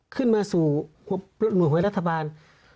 ขึ้นมาสู่หน่วยรัฐบาล